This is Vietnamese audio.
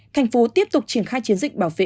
thành phố tiếp tục triển khai chiến dịch bảo vệ